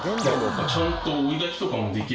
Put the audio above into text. ちゃんと追い焚きとかもできる。